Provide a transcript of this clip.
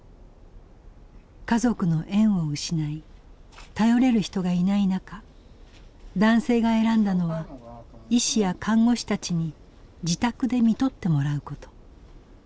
家族の縁を失い頼れる人がいない中男性が選んだのは医師や看護師たちに自宅で看取ってもらうこと。